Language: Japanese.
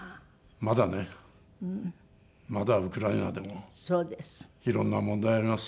まだねまだウクライナでもいろんな問題あります。